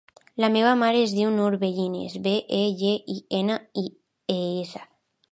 La meva mare es diu Nur Begines: be, e, ge, i, ena, e, essa.